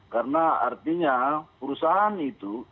karena artinya perusahaan itu